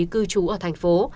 cư trú ở thành phố